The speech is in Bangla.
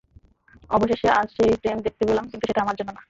অবশেষে আজ সেই প্রেম দেখতে পেলাম কিন্তু সেটা আমার জন্য না।